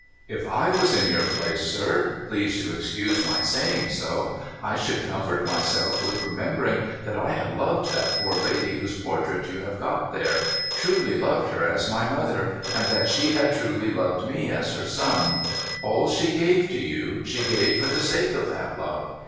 If I was in your place, sir — please to excuse my saying so — I should comfort myself with remembering that I had loved that poor lady whose portrait you have got there — truly loved her as my mother, and that she had truly loved me as her son. All she gave to you, she gave for the sake of that love.